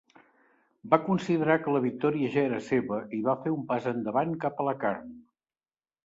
Va considerar que la victòria ja era seva i va fer un pas endavant cap a la carn.